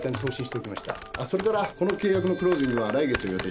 あっそれからこの契約のクロージングは来月を予定してます。